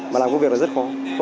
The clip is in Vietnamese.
mà làm công việc là rất khó